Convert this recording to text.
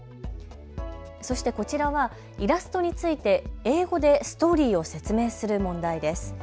そしてこちらはイラストについて英語でストーリーを説明する問題です。